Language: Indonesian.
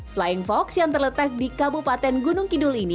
flying fox yang terletak di kabupaten gunung kidul ini